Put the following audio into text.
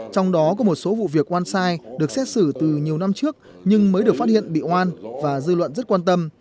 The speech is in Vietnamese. trong đó có một số vụ việc one side được xét xử từ nhiều năm trước nhưng mới được phát hiện bị oan và dư luận rất quan tâm